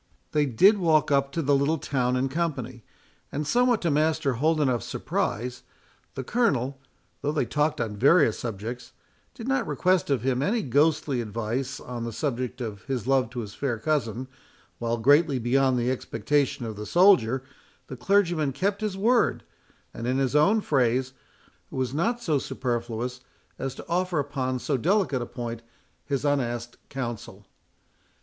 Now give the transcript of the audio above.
They did walk up to the little town in company, and somewhat to Master Holdenough's surprise, the Colonel, though they talked on various subjects, did not request of him any ghostly advice on the subject of his love to his fair cousin, while, greatly beyond the expectation of the soldier, the clergyman kept his word, and in his own phrase, was not so superfluous as to offer upon so delicate a point his unasked counsel.